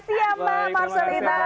makasih ya mbak marselina